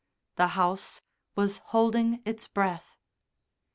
The house was holding its breath.